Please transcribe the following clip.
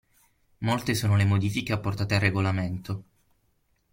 Molte sono le modifiche apportate al regolamento.